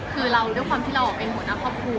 คือเราด้วยความที่เราเป็นหัวหน้าครอบครัว